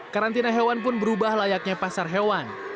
karantina hewan pun berubah layaknya pasar hewan